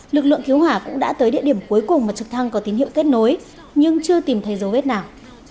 lực lượng cứu hỏa cũng đã tới địa điểm cuối cùng mà trực thăng có tín hiệu kết nối nhưng chưa tìm thấy dấu vết nào